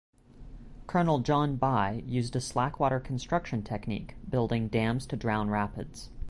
Colonel John By, used a slackwater construction technique, building dams to drown rapids.